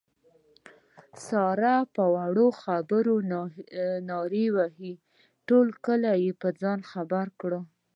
ساره په وړه خبره نارې وهي ټول کلی په ځان خبر کړي.